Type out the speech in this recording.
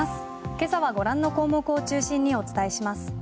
今朝はご覧の項目を中心にお伝えします。